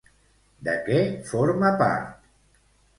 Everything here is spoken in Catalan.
De què forma part?